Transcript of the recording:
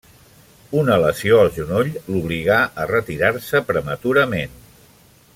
Una lesió al genoll l'obligà a retirar-se prematurament.